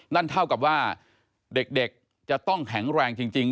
นั่นเท่ากับว่าเด็กจะต้องแข็งแรงจริง